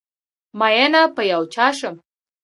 ميېنه په یو چا شم